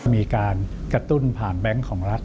มีการกระตุ้นผ่านแบงค์ของรัฐ